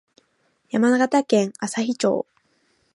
山形県朝日町